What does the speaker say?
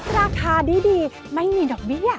ราคาดีไม่มีดอกเบี้ย